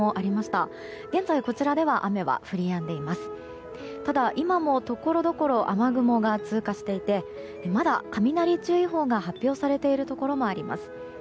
ただ、今もところどころ雨雲が通過していてまだ雷注意報が発表されているところもあります。